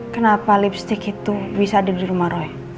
kenapa lipstick itu bisa ada di rumah roy